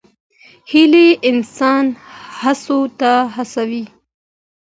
هیله انسان هڅو ته هڅوي.